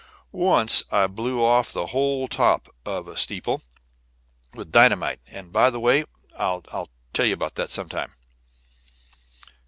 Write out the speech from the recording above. Once I blew off the whole top of a steeple with dynamite; and, by the way, I'll tell you about that some time."